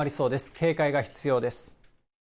警戒が必要です。